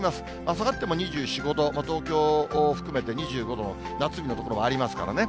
下がっても２４、５度、東京を含めて２５度の夏日の所もありますからね。